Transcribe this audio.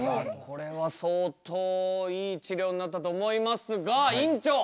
これは相当いい治療になったと思いますが院長